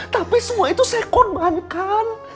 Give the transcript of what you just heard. tapi semua itu saya korbankan